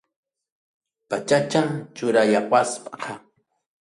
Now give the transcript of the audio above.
Pachacha churallawasqa.